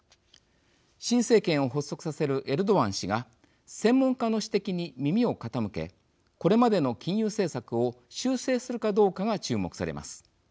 新政権を発足させるエルドアン氏が専門家の指摘に耳を傾けこれまでの金融政策を修正するかどうかが注目されます。